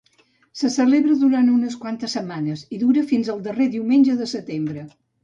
Se celebra durant unes setmanes i dura fins al darrer diumenge de setembre.